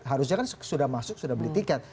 harusnya kan sudah masuk sudah beli tiket